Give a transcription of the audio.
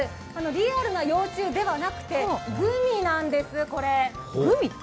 リアルな幼虫ではなくてグミなんです。